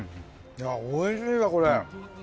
おいしいわこれ。